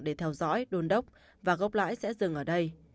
để theo dõi đôn đốc và gốc lãi sẽ dừng ở đây